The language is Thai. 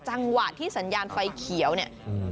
จังหวะที่สัญญาณไฟเขียวเนี่ย